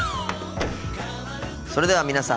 それでは皆さん